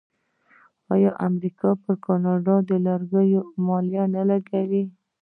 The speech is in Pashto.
آیا امریکا پر کاناډایی لرګیو مالیه نه لګوي؟